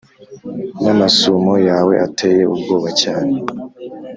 namasumo yawe ateye ubwoba cyane